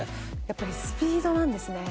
やっぱりスピードなんですね。